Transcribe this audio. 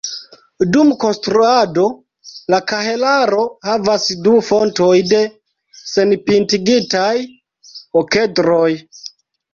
Dum konstruado, la kahelaro havas du fontoj de senpintigitaj okedroj.